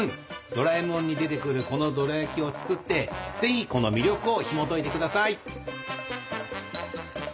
ドラえもんに出てくるこのドラやきを作ってぜひこの魅力をひもといて下さい！